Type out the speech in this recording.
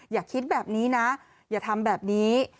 อย่าคิดแบบนี้นะอย่าทำแบบนี้